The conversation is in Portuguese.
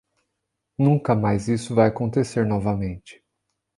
Nunca mais isso vai acontecer novamente.